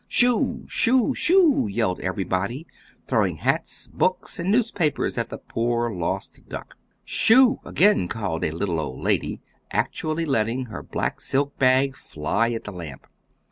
"Shoo! Shoo! Shoo!" yelled everybody, throwing hats, books, and newspapers at the poor lost duck. "Shoo!" again called a little old lady, actually letting her black silk bag fly at the lamp.